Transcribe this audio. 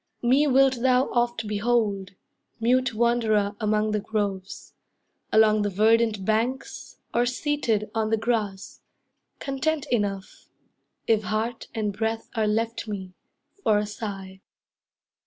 Me wilt thou oft behold, mute wanderer Among the groves, along the verdant banks, Or seated on the grass, content enough, If heart and breath are left me, for a sigh!